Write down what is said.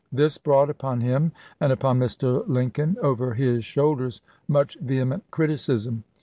This brought upon him, and upon Mr. Lincoln, over his shoulders, much vehement criticism.